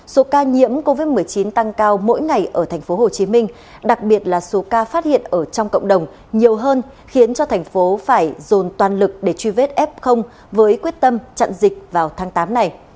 số ca nhiễm covid một mươi chín tăng cao mỗi ngày ở tp hcm đặc biệt là số ca phát hiện ở trong cộng đồng nhiều hơn khiến cho thành phố phải dồn toàn lực để truy vết f với quyết tâm chặn dịch vào tháng tám này